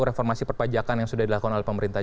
reformasi perpajakan yang sudah dilakukan oleh pemerintah